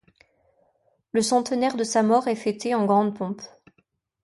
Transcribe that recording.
Le centenaire de sa mort est fêté en grande pompe.